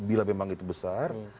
bila memang itu besar